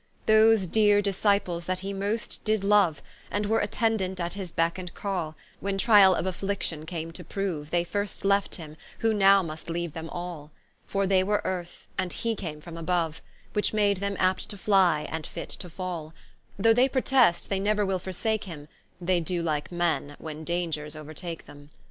Those deare Disciples that he most did love, And were attendant at his becke and call, When triall of affliction came to prove, They first left him, who now must leave them all: For they were earth, and he came from above, Which made them apt to flie, and fit to fall: Though they protest they never will forsake him, They do like men, when dangers overtake them.